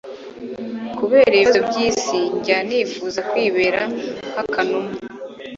kubera ibibazo byisi njya nifuza kwibera nk'akanuma